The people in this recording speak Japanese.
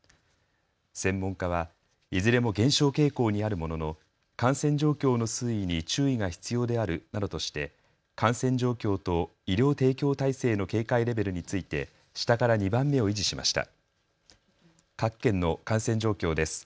専門家はいずれも減少傾向にあるものの感染状況の推移に注意が必要であるなどとして感染状況と医療提供体制の警戒レベルについて下から２番目を維持しました。